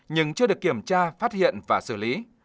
nhưng chưa được kiểm tra phát hiện và xử lý